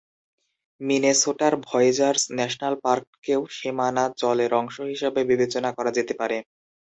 মিনেসোটার Voyageurs national পার্ককেও সীমানা জলের অংশ হিসাবে বিবেচনা করা যেতে পারে।